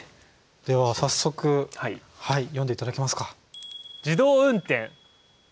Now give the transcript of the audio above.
では早速読んで頂きますか。